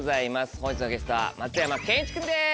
本日のゲストは松山ケンイチ君です。